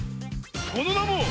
そのなも！